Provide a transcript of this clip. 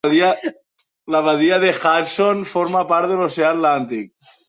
La badia de Hudson forma part de l'oceà Atlàntic.